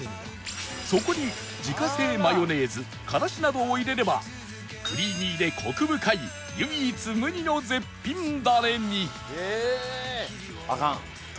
そこに自家製マヨネーズからしなどを入れればクリーミーでコク深い唯一無二の絶品ダレに